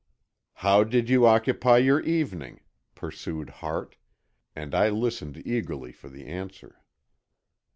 "How did you occupy your evening?" pursued Hart, and I listened eagerly for the answer.